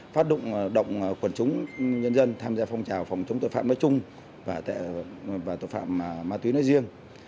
phát động động quần chúng nhân dân tham gia phong trào phòng chống tội phạm nói chung và tội phạm ma túy nói riêng